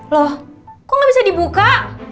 loh kok bisa dibuka